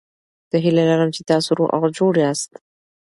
زه هیله لرم چې تاسو روغ او جوړ یاست.